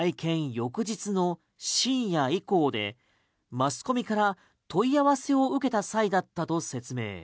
翌日の深夜以降でマスコミから問い合わせを受けた際だったと説明。